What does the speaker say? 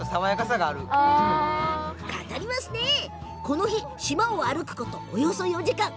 この日、島を歩くことおよそ４時間。